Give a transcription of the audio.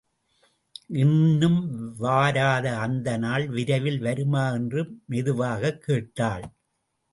இன்னும் வராத அந்த நாள் விரைவில் வருமா? என்று மெதுவாகக் கேட்டாள்.